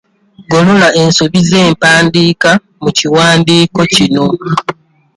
Golola ensobi z'empandiika mu kiwandiiko kino.